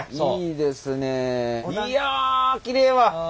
いやきれいやわ。